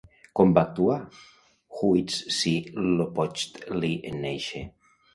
Com va actuar Huitzilopochtli en néixer?